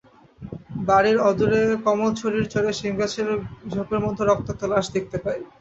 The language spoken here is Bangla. বাড়ির অদূরে কমলছড়ির চরে শিমগাছের ঝোপের মধ্যে রক্তাক্ত লাশ দেখতে পাই।